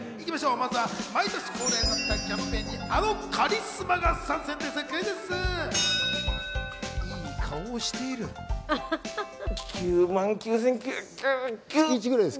まずは毎年恒例になったキャンペーンにあのカリスマが参戦です。